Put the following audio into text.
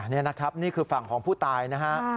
นี่นะครับนี่คือฝั่งของผู้ตายนะฮะ